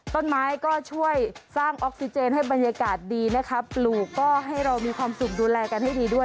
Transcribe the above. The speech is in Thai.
ต้นไม้ก็ช่วยสร้างออกซิเจนให้บรรยากาศดีนะคะปลูกก็ให้เรามีความสุขดูแลกันให้ดีด้วย